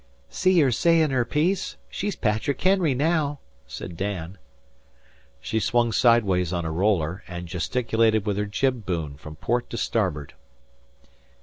"See her sayin' her piece. She's Patrick Henry naow," said Dan. She swung sideways on a roller, and gesticulated with her jib boom from port to starboard.